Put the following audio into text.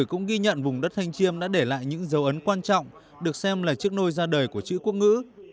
cũng ghi nhận vùng đất thanh chiêm đã để lại những dấu ấn quan trọng được xem là chiếc nôi ra đời của chữ quốc ngữ